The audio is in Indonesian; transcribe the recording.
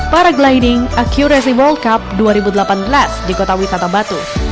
paragliding accuracy world cup dua ribu delapan belas di kota wisata batu